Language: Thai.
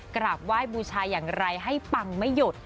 กราบไหว้บูชาอย่างไรให้ปังไม่หยุด